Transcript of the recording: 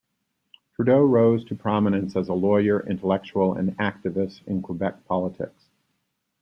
Trudeau rose to prominence as a lawyer, intellectual, and activist in Quebec politics.